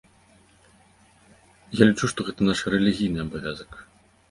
Я лічу, што гэта наш рэлігійны абавязак.